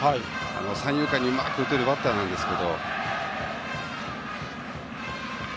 三遊間にうまく打てるバッターなんですが。